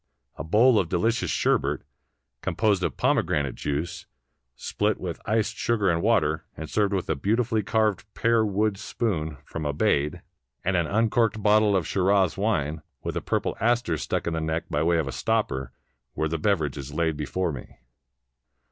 A bowl of delicious sherbet, composed of pome granate juice spHt with iced sugar and water, and served with a beautifully carved pear wood spoon from Abade, 407 PERSIA and an uncorked bottle of Shiraz wine, with a purple aster stuck in the neck by way of a stopper, were the beverages laid before me.